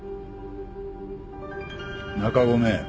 中込